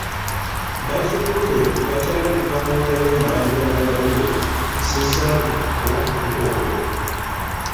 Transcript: Bazzukulu be bakyalabika mu nda y'Omulangira mutabani we Sezaaluno ow'Omutuba ogwo.